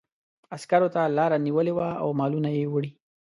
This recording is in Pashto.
عسکرو ته لاره نیولې وه او مالونه یې وړي.